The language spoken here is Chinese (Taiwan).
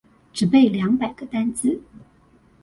只背兩百個單字